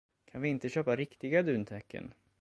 Kan vi inte köpa riktiga duntäcken?